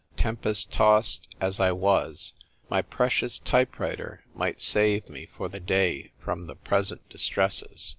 Tempest tossed as I was, my precious type writer might save me for the day from the present distresses.